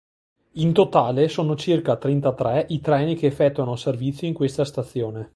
In totale sono circa trentatré i treni che effettuano servizio in questa stazione.